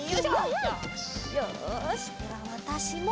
よしではわたしも。